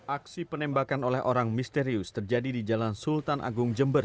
aksi penembakan oleh orang misterius terjadi di jalan sultan agung jember